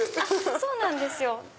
そうなんですよ。